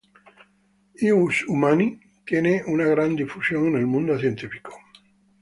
Ius Humani tiene una gran difusión en el mundo científico.